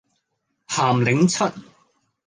鹹檸七